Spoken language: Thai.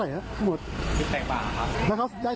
เดี๋ยวดูเงินต้องเท่าไหร่